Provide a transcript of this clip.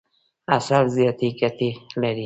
عسل زیاتي ګټي لري.